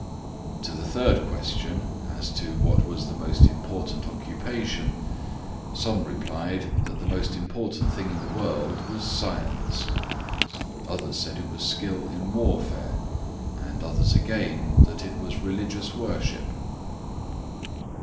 To the third question, as to what was the most important occupation: some replied that the most important thing in the world was science. Others said it was skill in warfare; and others, again, that it was religious worship.